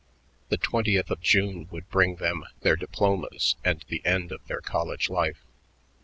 The twentieth of June would bring them their diplomas and the end of their college life.